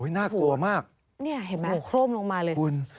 โอ๊ยน่ากลัวมากโอ้โฮคลมลงมาเลยคุณนี่เห็นไหม